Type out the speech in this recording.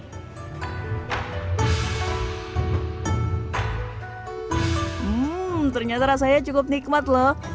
hmm ternyata rasanya cukup nikmat loh